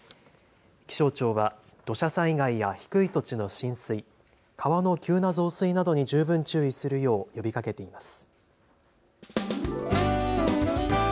気象庁は土砂災害や低い土地の浸水、川の急な増水などに十分注意するよう呼びかけています。